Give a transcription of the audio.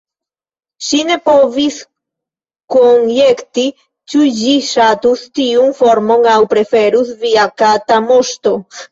Ŝi ne povis konjekti ĉu ĝi ŝatus tiun formon, aŭ preferus "Via kata moŝto."